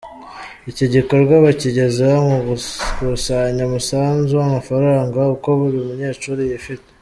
Iki gikorwa bakigezeho mu gukusanya umusanzu w’amafaranga uko buri munyeshuri yifite.